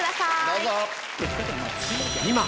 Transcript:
どうぞ。